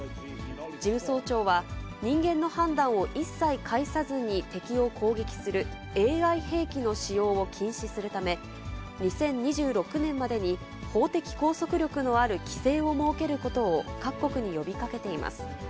事務総長は、人間の判断を一切介さずに敵を攻撃するＡＩ兵器の使用を禁止するため、２０２６年までに、法的拘束力のある規制を設けることを各国に呼びかけています。